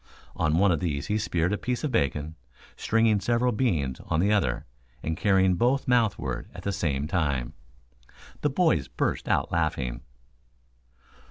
On one of these he speared a piece of bacon, stringing several beans on the other, and carrying both mouthward at the same time. The boys burst out laughing.